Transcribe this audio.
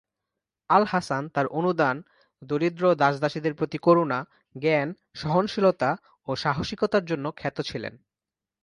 আল-হাসান তাঁর অনুদান, দরিদ্র ও দাস-দাসীদের প্রতি করুণা, জ্ঞান, সহনশীলতা ও সাহসিকতার জন্য খ্যাত ছিলেন।